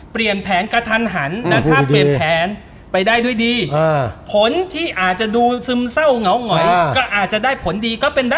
เปลี่ยนแผนกระทันหันนะถ้าเปลี่ยนแผนไปได้ด้วยดีผลที่อาจจะดูซึมเศร้าเหงาหงอยก็อาจจะได้ผลดีก็เป็นได้